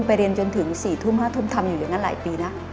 ไปเรียนจนถึง๔ทุ่ม๕ทุ่มทำอยู่อย่างนั้นหลายปีแล้ว